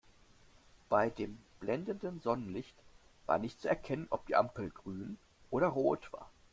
Bei dem blendenden Sonnenlicht war nicht zu erkennen, ob die Ampel grün oder rot war.